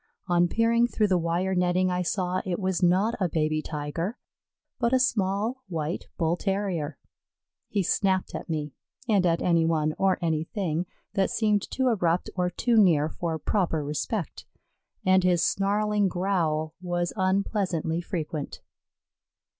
On peering through the wire netting I saw it was not a baby Tiger but a small white Bull terrier. He snapped at me and at any one or anything that seemed too abrupt or too near for proper respect, and his snarling growl was unpleasantly frequent.